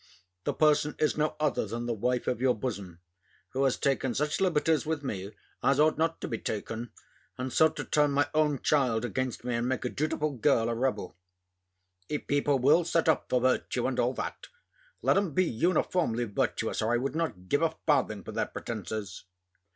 The person is no other than the wife of your bosom, who has taken such liberties with me as ought not to be taken, and sought to turn my own child against me, and make a dutiful girl a rebel. If people will set up for virtue, and all that, let 'em be uniformly virtuous, or I would not give a farthing for their pretences.